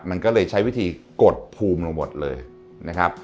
มันก็เลยใช้วิธีกดภูมิลงหมดเลยนะครับ